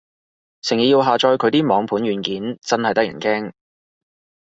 成日要下載佢啲網盤軟件，真係得人驚